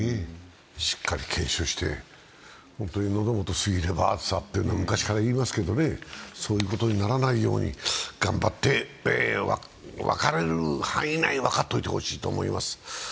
しっかり検証して、喉もと過ぎれば熱さって昔から言いますけど、そういうことにならないように頑張って、分かる範囲内で分かっておいてほしいと思います。